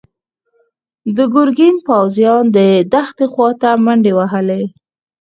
د ګرګين پوځيانو د دښتې خواته منډې وهلي.